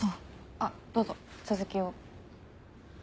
あっどうぞ続きを。